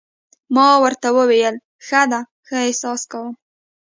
ما ورته وویل: ښه ده، ښه احساس کوم.